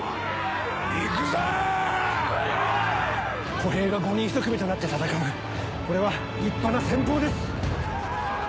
歩兵が５人一組となって戦うこれは立派な戦法です。